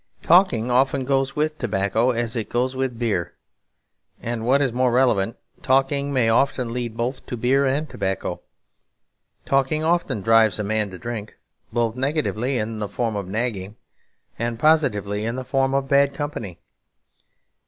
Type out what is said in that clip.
Talking often goes with tobacco as it goes with beer; and what is more relevant, talking may often lead both to beer and tobacco. Talking often drives a man to drink, both negatively in the form of nagging and positively in the form of bad company.